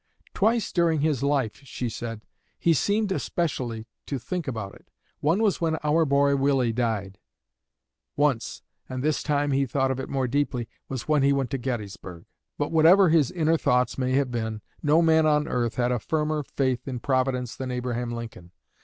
"Twice during his life," she said, "he seemed especially to think about it. Once was when our boy Willie died. Once and this time he thought of it more deeply was when he went to Gettysburg." But whatever his inner thoughts may have been, no man on earth had a firmer faith in Providence than Abraham Lincoln.